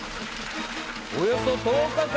およそ１０日間。